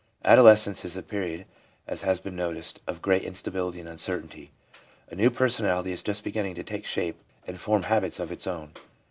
Adolescence is a period, as has been noticed, of great instability and uncertainty. A new personality is just beginning to take shape and form habits of its own.